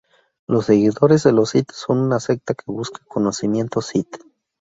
Los seguidores de los Sith son una secta que busca conocimiento Sith.